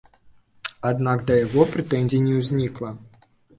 Аднак да яго прэтэнзій не ўзнікла.